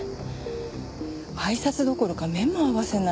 あいさつどころか目も合わせないの。